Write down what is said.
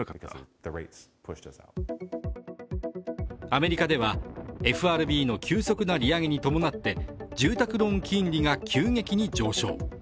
アメリカではＦＲＢの急速な利上げに伴って住宅ローン金利が急激に上昇。